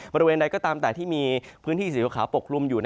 บริเวณใดก็ตามแต่ที่มีพื้นที่สีขาวปกคลุมอยู่